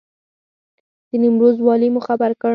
د نیمروز والي مو خبر کړ.